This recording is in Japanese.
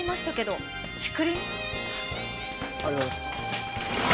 ありがとうございます。